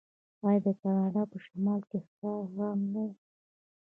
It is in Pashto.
آیا د کاناډا په شمال کې ښکار عام نه و؟